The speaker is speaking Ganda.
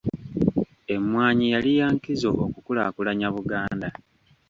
Emmwanyi yali ya nkizo okukulaakulanya Buganda.